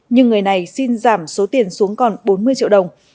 nhưng người này xin giảm số tiền xuống còn bốn mươi triệu đồng